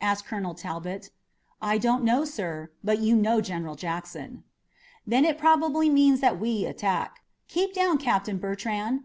asked Colonel Talbot. "I don't know, sir; but you know General Jackson." "Then it probably means that we attack. Keep down, Captain Bertrand!